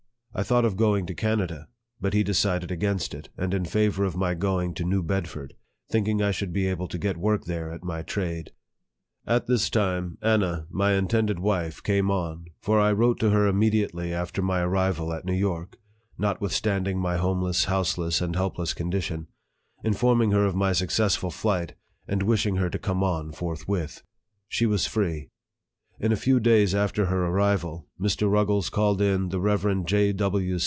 I thought of going to Canada ; but he decided against it, and in favor of my going to New Bedford, thinking I should be able to get work there at my trade. At this time, Anna,* my intended wife, came on ; for I wrote to her immediately after my arrival at New York, (notwithstanding my homeless, houseless, and helpless condition,) informing her of my successful flight, and wishing her to come on forthwith. In a few days after her arrival, Mr. Ruggles called in the Rev. J.